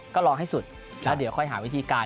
ก็รอให้สุดแล้วเดี๋ยวค่อยหาวิธีการ